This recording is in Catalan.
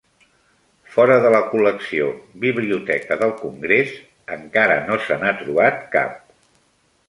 Fora de la col·lecció Biblioteca del Congrés, encara no se n'ha trobat cap.